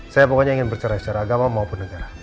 saya pokoknya ingin bercerai secara agama maupun negara